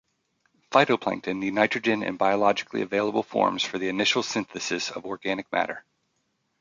Phytoplankton need nitrogen in biologically available forms for the initial synthesis of organic matter.